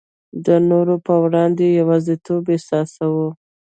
د نورو په وړاندي یوازیتوب احساسوو.